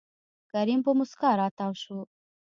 کريم په موسکا راتاو شو.